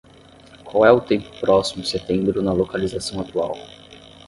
Qual é o tempo próximo setembro na localização atual?